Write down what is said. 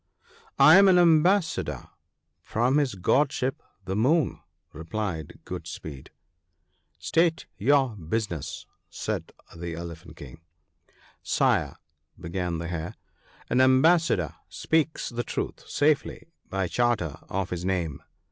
' I am an ambassador from his Godship the Moon,' replied Good speed. ' State your business/ said the Elephant king. 'Sire, began the Hare, 'an ambassador speaks the truth safely by charter of his name.